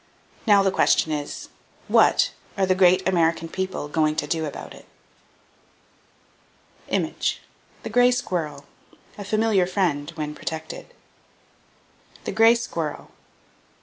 Now the question is: What are the great American people going to do about it? THE GRAY SQUIRREL, A FAMILIAR FRIEND WHEN PROTECTED The Gray Squirrel.